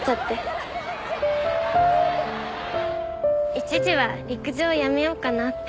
一時は陸上をやめようかなって。